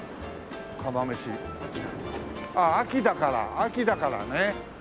ああ秋だから秋だからね。